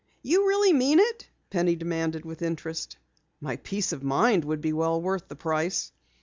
"You really mean it?" Penny demanded with interest. "My peace of mind would be well worth the price."